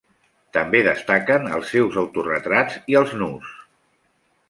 També destaquen els seus autoretrats i els nus.